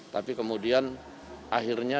tapi kemudian akhirnya